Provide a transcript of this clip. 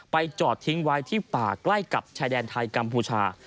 จอดทิ้งไว้ที่ป่าใกล้กับชายแดนไทยกัมพูชา